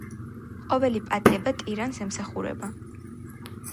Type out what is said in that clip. ყოველი პატიება ტირანს ემსახურება.